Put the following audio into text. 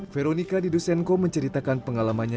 veronika diduschenko menceritakan pengalamannya